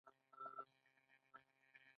مرسل یوه پیاوړي نجلۍ ده.